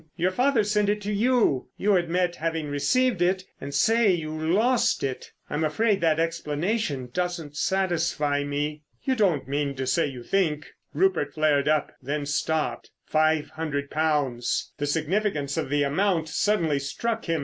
Your father sent it to you. You admit having received it, and say you lost it. I'm afraid that explanation doesn't satisfy me." "You don't mean to say you think——" Rupert flared up, then stopped. Five hundred pounds! The significance of the amount suddenly struck him.